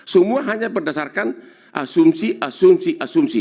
semua hanya berdasarkan asumsi asumsi asumsi